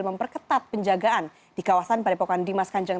memperketat penjagaan di kawasan padepokan dimas kanjeng